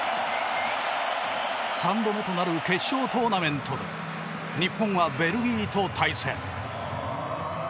３度目となる決勝トーナメントで日本はベルギーと対戦。